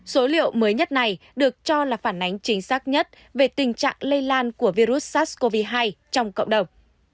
số liệu mới nhất này được cho là phản ánh chính xác nhất về tình trạng lây lan của virus sars cov hai trong cộng đồng